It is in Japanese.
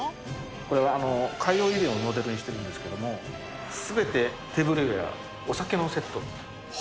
これは海洋油田をモデルにしてるんですけれども、すべてテーブルウエア、お酒のセット。